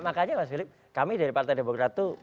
makanya mas filip kami dari partai demokrat